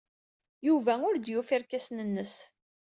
Yuba ur d-yufi irkasen-nnes.